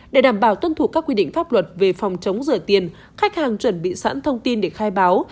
để đảm bảo tuân thủ các quy định pháp luật về phòng chống rửa tiền khách hàng chuẩn bị sẵn thông tin để khai báo